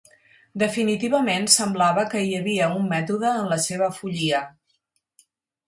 "Definitivament semblava que hi havia un mètode en la seva follia".